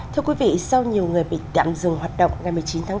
thưa quý vị sau nhiều người bị đạm dừng hoạt động ngày một mươi chín tháng bốn